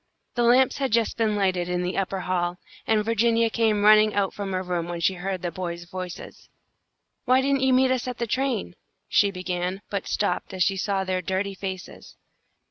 The lamps had just been lighted in the upper hall, and Virginia came running out from her room when she heard the boys' voices. "Why didn't you meet us at the train?" she began, but stopped as she saw their dirty faces.